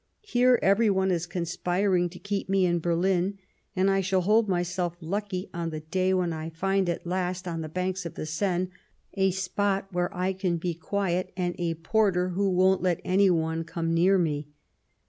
Here every one is conspiring to keep me in Berlin, and I shall hold myself lucky on the day when I find at last, on the banks of the Seine, a spot where I can be quiet and a porter who won't let any one come near me."